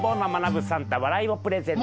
サンタ笑いをプレゼント。